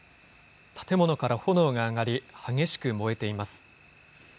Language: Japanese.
建物から炎が上がり、激しく燃えています。